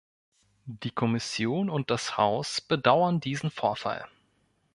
Die Kommission und das Haus bedauern diesen Vorfall.